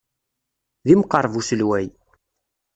D imqerreb uselway.